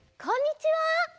こんにちは！